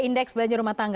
indeks belanja rumah tangga